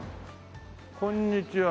こんにちは。